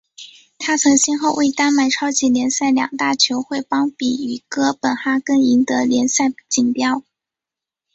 他曾先后为丹麦超级联赛两大球会邦比与哥本哈根赢得联赛锦标。